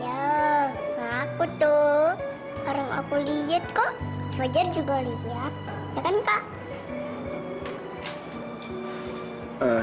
ya kan kak